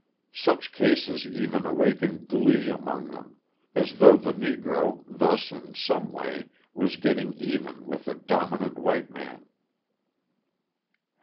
Such cases even awaken glee among them, as though the Negro, thus, in some way, was getting even with the dominant white man.